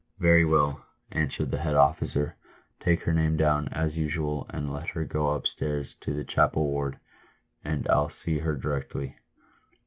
" Yery well," answered the head officer ;" take her name down, as usual, and let her go up stairs to the chapel ward, and I'll see her directly."